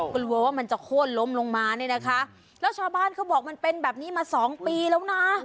กลัวว่ามันจะโค้นล้มลงมาเนี่ยนะคะแล้วชาวบ้านเขาบอกมันเป็นแบบนี้มาสองปีแล้วนะ